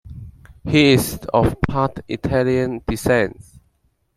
He is of part Italian descent.